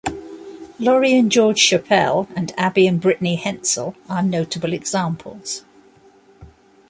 Lori and George Schappell and Abby and Brittany Hensel are notable examples.